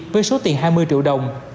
với số tiền hai mươi triệu đồng